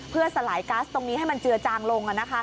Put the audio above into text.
เพื่อสลายก๊าซตรงนี้ให้มันเจือจางลง